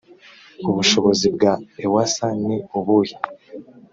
ubushobozi bwa ewsa ni ubuhe